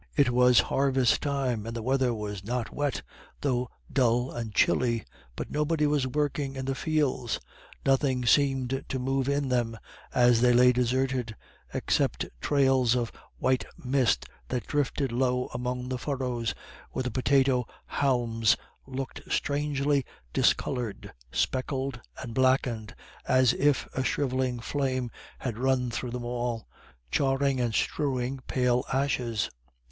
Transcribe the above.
It was harvest time, and the weather was not wet, though dull and chilly, but nobody was working in the fields. Nothing seemed to move in them, as they lay deserted, except trails of a white mist that drifted low among the furrows, where the potato haulms looked strangely discoloured, speckled and blackened, as if a shrivelling flame had run through them all, charring and strewing pale ashes.